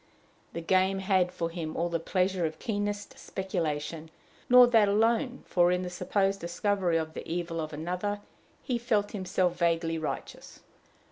The game had for him all the pleasure of keenest speculation; nor that alone, for, in the supposed discovery of the evil of another, he felt himself vaguely righteous.